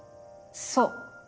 そう。